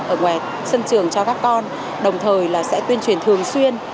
ở ngoài sân trường cho các con đồng thời là sẽ tuyên truyền thường xuyên